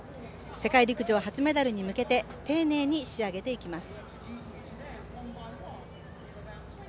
世界陸上初メダルに向けて丁寧に仕上げていきます。